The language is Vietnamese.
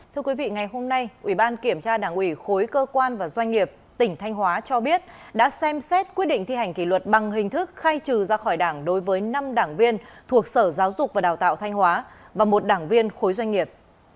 thưa quý vị ngày hôm nay ủy ban kiểm tra đảng ủy khối cơ quan và doanh nghiệp tỉnh thanh hóa cho biết đã xem xét quyết định thi hành kỷ luật bằng hình thức khai trừ ra khỏi đảng đối với năm đảng viên thuộc sở giáo dục và đào tạo thanh hóa và một đảng viên khối doanh nghiệp